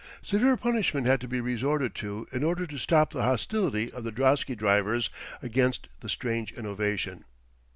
Severe punishment had to be resorted to in order to stop the hostility of the drosky drivers against the strange innovation.